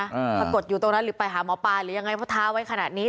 ปรากฏอยู่ตรงนั้นหรือไปหาหมอปลาหรือยังไงเพราะท้าไว้ขนาดนี้